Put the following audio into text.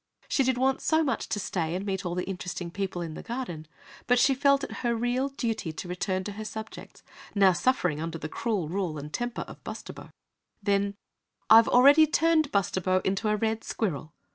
She did want so much to stay and meet all the interesting people in the garden, but she felt it her real duty to return to her subjects, now suffering under the cruel rule and temper of Bustabo. Then: "I've already turned Bustabo into a red Squirrel!"